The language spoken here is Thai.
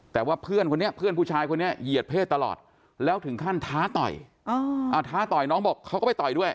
แต่ว่าเพื่อนผู้ชายคนนี้เหยียดเพศตลอดแล้วถึงขั้นท้าต่อยน้องบอกเขาก็ไปต่อยด้วย